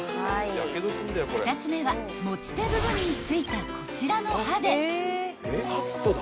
［２つ目は持ち手部分についたこちらの刃で］